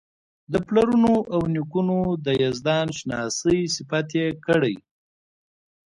د پلرونو او نیکونو د یزدان شناسۍ صفت یې کړی.